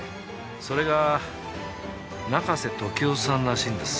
それが中瀬時雄さんらしいんです。